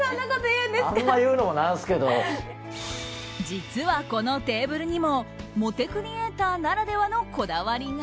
実は、このテーブルにもモテクリエイターならではのこだわりが。